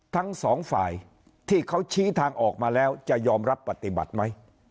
ทั้งสองฝ่ายที่เขาชี้ทางออกมาแล้วจะยอมรับปฏิบัติไหม